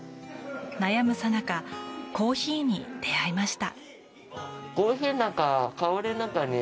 悩むさなかコーヒーに出会いました。